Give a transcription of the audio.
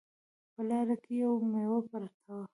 په لاره کې یوه میوه پرته وه